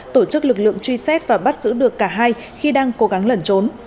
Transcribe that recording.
tổ chức lực lượng truy xét và bắt giữ được cả hai khi đang cố gắng lẩn trốn